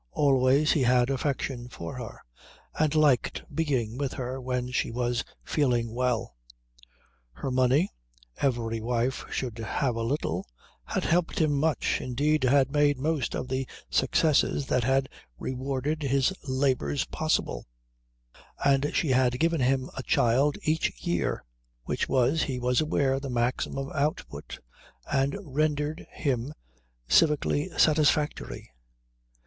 Always he had affection for her, and liked being with her when she was feeling well. Her money every wife should have a little had helped him much, indeed had made most of the successes that had rewarded his labours possible, and she had given him a child a year, which was, he was aware, the maximum output and rendered him civically satisfactory.